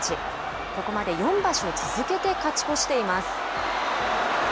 ここまで４場所続けて勝ち越しています。